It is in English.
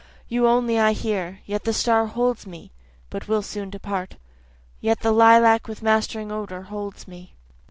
You only I hear yet the star holds me, (but will soon depart,) Yet the lilac with mastering odor holds me.